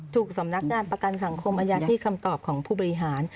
สำนักงานประกันสังคมอายัดที่คำตอบของผู้บริหาร